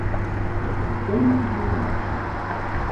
Ik wil meteen met de deur in huis vallen.